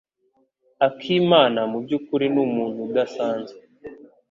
Akimana mubyukuri numuntu udasanzwe.